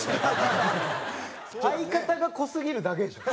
相方が濃すぎるだけでしょ。